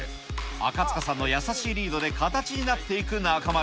赤塚さんの優しいリードで、形になっていく中丸。